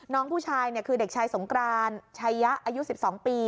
น้องผู้ชายคือเด็กชายสงกรานชายะอายุ๑๒ปี